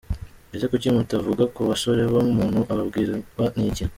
ese kuki mutavuga kubasore bo umuntu ababwirwa niki.